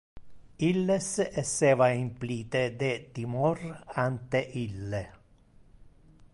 Illes esseva implite de timor ante ille.